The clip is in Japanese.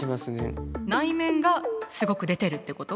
内面がすごく出てるってこと？